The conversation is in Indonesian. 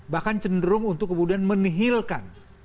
bahkan cenderung untuk kemudian menihilkan